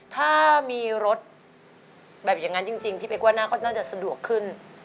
ถ้ามีรถแบบอย่างนั้นจริงพี่เป๊กว่าหน้าก็น่าจะสะดวกขึ้น